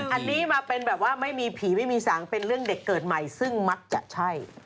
อันนี้เป็นแบบไม่มีผีเป็นเด็กเกิดใหม่ซึ่งมักจะใช่